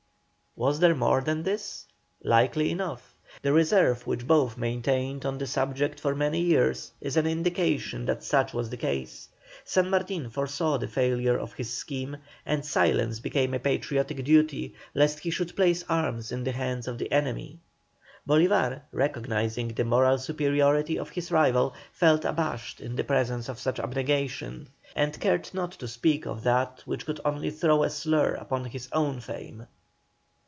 Was there more than this? Likely enough. The reserve which both maintained on the subject for so many years is an indication that such was the case. San Martin foresaw the failure of his scheme, and silence became a patriotic duty, lest he should place arms in the hands of the enemy. Bolívar, recognising the moral superiority of his rival, felt abashed in the presence of such abnegation, and cared not to speak of that which could only throw a slur upon his own fame.